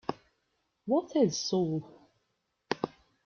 What Is Soul?